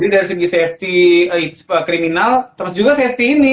dari segi safety kriminal terus juga safety ini